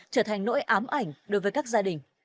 trở thành nỗi ám ảnh đối với các gia đình